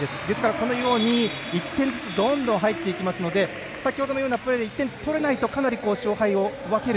このように、１点ずつ、どんどん入っていきますので先ほどのようなプレーで１点取れないとかなり勝敗を分ける。